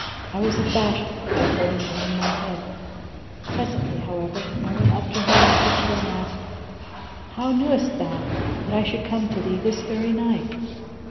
I was abashed before her and hung my head; presently, however, I went up to her and kissed her and asked, "How knewest thou that I should come to thee this very night?"